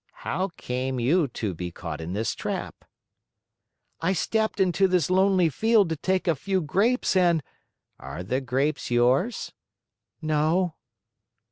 "How came you to be caught in this trap?" "I stepped into this lonely field to take a few grapes and " "Are the grapes yours?" "No."